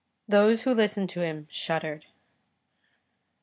Those who listened to him shuddered.